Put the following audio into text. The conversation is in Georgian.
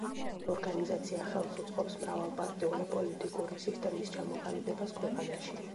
ორგანიზაცია ხელს უწყობს მრავალპარტიული პოლიტიკური სისტემის ჩამოყალიბებას ქვეყანაში.